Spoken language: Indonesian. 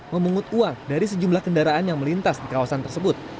memungut uang dari sejumlah kendaraan yang melintas di kawasan tersebut